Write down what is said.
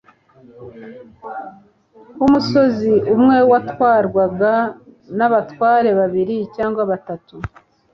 nk'umusozi umwe watwarwaga n'abatware babiri cyangwa batatu